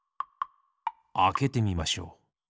あけてみましょう。